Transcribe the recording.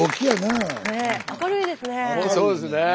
明るいですねえ。